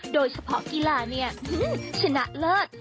โดยเฉพาะกีฬาเนี่ยชนะเลิศ